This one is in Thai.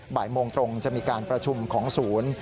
บ่ายโมงตรงจะมีการประชุมของศูนย์